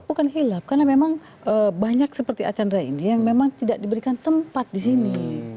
bukan hilaf karena memang banyak seperti archandra ini yang memang tidak diberikan tempat di sini